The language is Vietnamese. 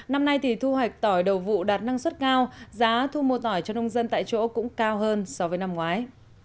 năm nay thì thu hoạch tỏi đầu vụ đạt năng suất cao giá thu mua tỏi cho nông dân tại chỗ cũng cao hơn so với năm ngoái